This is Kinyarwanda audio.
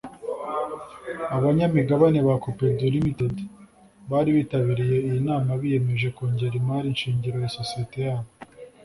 Abanyamigabane ba Copedu Ltd bari bitabiriye iyi nama biyemeje kongera imari shingiro ya sosiyete yabo